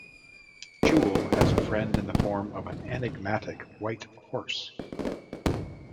Jewel has a friend in the form of an enigmatic white horse.